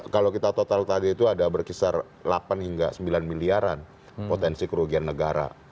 kalau kita total tadi itu ada berkisar delapan hingga sembilan miliaran potensi kerugian negara